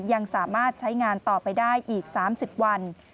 ยังสามารถใช้งานต่อไปได้อีก๓๐วัน